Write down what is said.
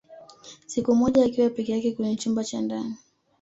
Siku moja akiwa peke yake kwenye chumba cha ndani